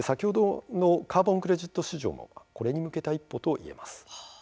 カーボン・クレジット市場もこれに向けた一歩といえます。